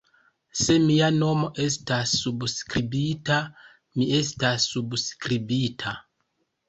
Se mia nomo estas subskribita, mi estas subskribita.